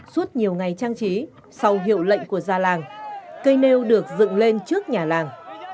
suốt nhiều ngày trang trí sau hiệu lệnh của gia làng cây nêu được dựng lên trước nhà làng